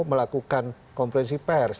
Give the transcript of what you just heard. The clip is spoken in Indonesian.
melakukan konferensi pers